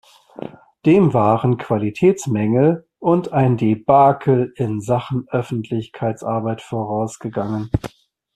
Dem waren Qualitätsmängel und ein Debakel in Sachen Öffentlichkeitsarbeit vorausgegangen.